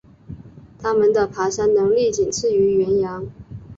它们的爬山能力仅次于羱羊。